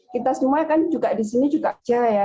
kita semua kan di sini juga aja ya